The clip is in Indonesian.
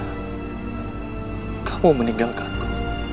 akan kau menyinggalkanku